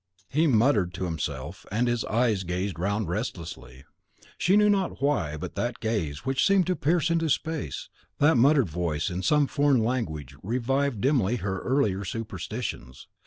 He muttered to himself, and his eyes gazed round restlessly. She knew not why, but that gaze, which seemed to pierce into space, that muttered voice in some foreign language revived dimly her earlier superstitions.